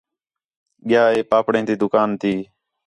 ڳِیا ہے پاپڑیں تی دُکان تی